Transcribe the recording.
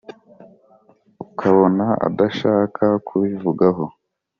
ukabona adashaka kubivugaho